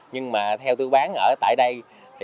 nhưng mà theo tư bán ở tại đây